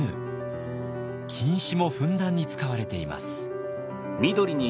金糸もふんだんに使われています。